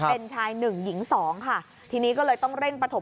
เป็นชายหนึ่ง